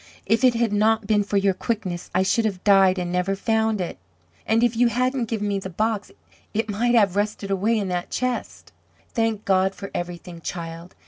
If it had not been for your quickness I should have died and never found it." "And if you hadn't given me the box, it might have rusted away in that chest." "Thank God for everything, child!